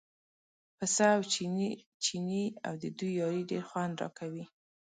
پسه او چینی او د دوی یاري ډېر خوند راکوي.